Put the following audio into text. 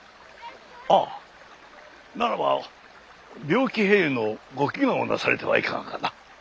ああならば病気平癒のご祈願をなされてはいかがかな。